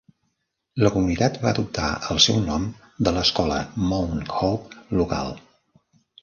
La comunitat va adoptar el seu nom de l'escola Mount Hope local.